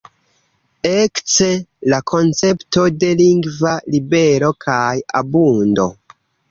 Ekce la koncepto de lingva libero kaj abundo.